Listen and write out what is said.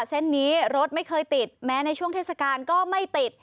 เส้นนี้รถไม่เคยติดแม้ในช่วงเทศกาลก็ไม่ติด